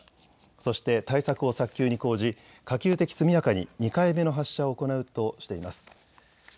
そして、対策を早急に講じ、可及的速やかに２回目の発射を行うとしています。